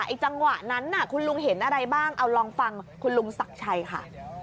จังหวะนั้นคุณลุงเห็นอะไรบ้างเอาลองฟังคุณลุงศักดิ์ชัยค่ะ